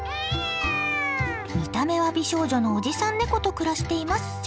見た目は美少女のおじさんネコと暮らしています。